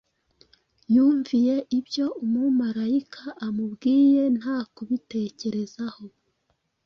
Yumviye ibyo umumarayika amubwiye nta kubitekerezaho.